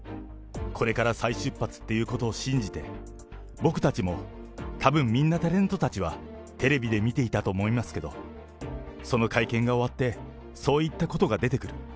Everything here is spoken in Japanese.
これから再出発っていうことを信じて、僕たちも、たぶんみんなタレントたちはテレビで見ていたと思いますけど、その会見が終わってそういったことが出てくる。